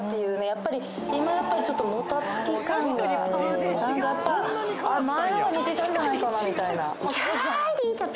やっぱり今やっぱりちょっともたつき感が何かやっぱ前は似てたんじゃないかなみたいなきゃりーちゃん